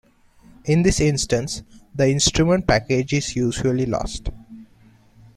In this instance the instrument package is usually lost.